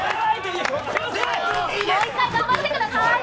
もう１回頑張ってください！